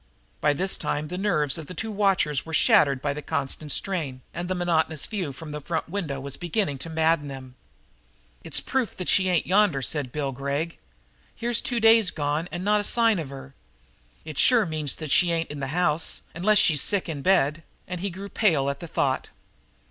By this time the nerves of the two watchers were shattered by the constant strain, and the monotonous view from the front window was beginning to madden them. "It's proof that she ain't yonder," said Bill Gregg. "Here's two days gone, and not a sign of her yet. It sure means that she ain't in that house, unless she's sick in bed." And he grew pale at the thought.